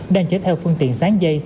để chúng ta là